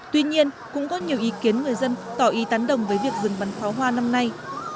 tuy nhiên cũng có nhiều ý kiến người dân tỏ ý tán đồng với việc dừng bắn pháo hoa năm nay